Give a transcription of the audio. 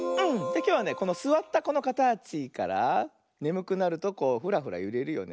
きょうはねこのすわったこのかたちからねむくなるとこうフラフラゆれるよね。